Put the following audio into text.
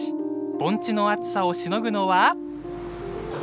盆地の暑さをしのぐのは。